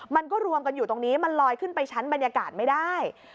มันก็รวมกันอยู่ตรงนี้มันลอยขึ้นไปชั้นบรรยากาศไม่ได้